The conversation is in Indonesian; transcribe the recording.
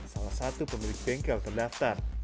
salah satu pemilik bengkel terdaftar